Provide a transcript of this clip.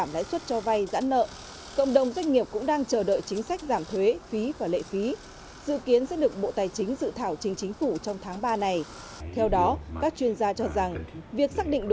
việc xác định đối tượng giảm mức thuế phí và lệ phí cần được tính toán cụ thể